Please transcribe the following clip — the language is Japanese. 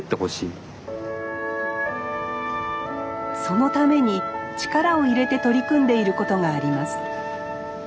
そのために力を入れて取り組んでいることがあります。